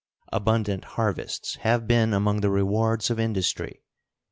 Abundant harvests have been among the rewards of industry.